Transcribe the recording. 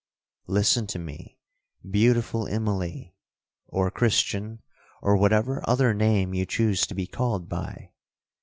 Listen to me, beautiful Immalee, or Christian, or whatever other name you choose to be called by!